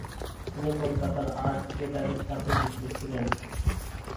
তিনি কলকাতার 'আর্ট থিয়েটারের সাথে যুক্ত ছিলেন।